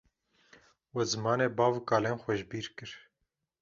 We zimanê bav û kalên xwe jibîr kir